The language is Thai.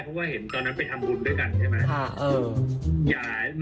เพราะว่าเห็นตอนนั้นไปทำบุญด้วยกันใช่ไหม